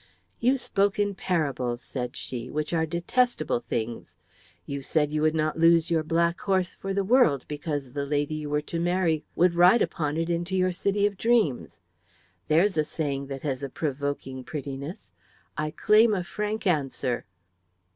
"You spoke in parables," said she, "which are detestable things. You said you would not lose your black horse for the world because the lady you were to marry would ride upon it into your city of dreams. There's a saying that has a provoking prettiness. I claim a frank answer."